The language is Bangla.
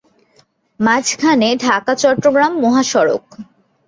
মাঝখানে ঢাকা-চট্টগ্রাম মহাসড়ক।